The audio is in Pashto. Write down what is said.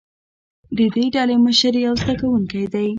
د دې ډلې مشر یو زده کوونکی دی.